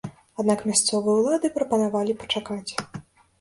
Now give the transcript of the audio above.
Аднак мясцовыя ўлады прапанавалі пачакаць.